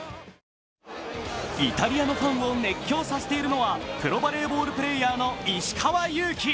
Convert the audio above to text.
イタリアのファンを熱狂させているのはプロバレーボールプレーヤーの石川祐希。